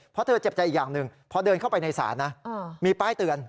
เพราะเธอเจ็บใจอีกอย่างหนึ่งพอเดินเข้าไปในศาลนะมีป้ายเตือน